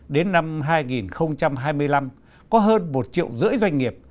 đến năm hai nghìn hai mươi năm có hơn một triệu rưỡi doanh nghiệp